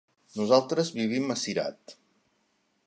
Nosaltres vivim a Cirat.